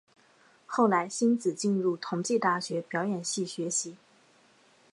后来馨子进入同济大学表演系学习。